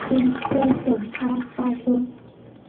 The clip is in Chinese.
公车等他发车